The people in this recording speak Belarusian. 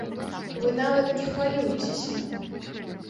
Вы нават не хвалюйцеся!